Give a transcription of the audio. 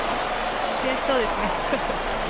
悔しそうでしたね。